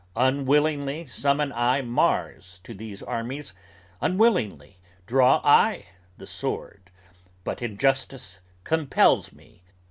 Unwillingly summon I Mars to these armies, Unwillingly draw I the sword! But injustice compels me.